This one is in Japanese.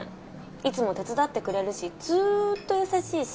いつも手伝ってくれるしずっと優しいし。